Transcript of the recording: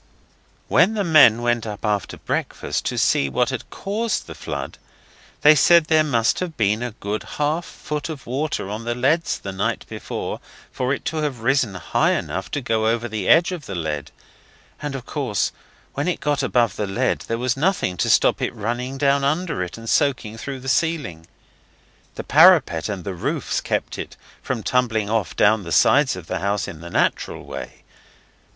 When the men went up after breakfast to see what had caused the flood they said there must have been a good half foot of water on the leads the night before for it to have risen high enough to go above the edge of the lead, and of course when it got above the lead there was nothing to stop it running down under it, and soaking through the ceiling. The parapet and the roofs kept it from tumbling off down the sides of the house in the natural way.